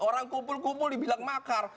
orang kumpul kumpul dibilang makar